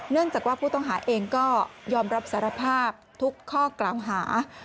จากว่าผู้ต้องหาเองก็ยอมรับสารภาพทุกข้อกล่าวหา